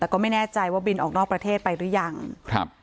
แต่ก็ไม่แน่ใจว่าบินออกนอกประเทศไปหรือยังครับ